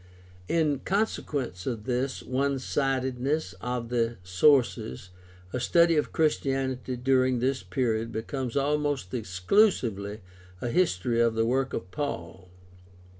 In consequence of this one sidedness of the sources a study of Christianity during this period becomes almost exclusively a history of the work of Paul.